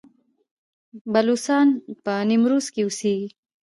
بلوڅان په نیمروز کې اوسیږي؟